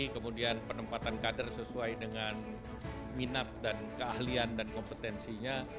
kemudian penempatan kader sesuai dengan minat dan keahlian dan kompetensinya